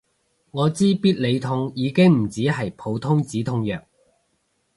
我知必理痛已經唔止係普通止痛藥